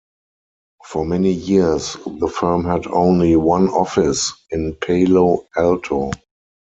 For many years, the firm had only one office, in Palo Alto.